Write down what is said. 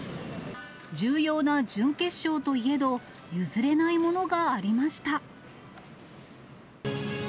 重要な準決勝といえど、譲れないものがありました。